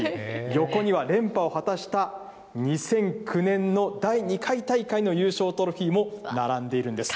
横には連覇を果たした、２００９年の第２回大会の優勝トロフィーも並んでいるんです。